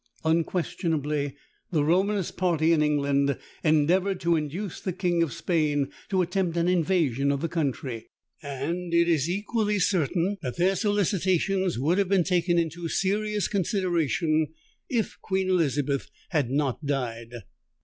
Unquestionably the Romanist party in England endeavoured to induce the King of Spain to attempt an invasion of the country: and it is equally certain, that their solicitations would have been taken into serious consideration if Queen Elizabeth had not died.